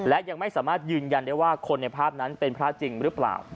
และยังไม่สามารถยืนยันได้ว่าคนในภาพนั้นเป็นพระจริงหรือเปล่า